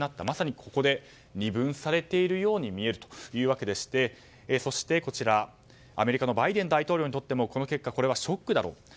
まさに、ここで二分されているように見えるというわけでしてそして、アメリカのバイデン大統領にとってもこの結果はショックだろう。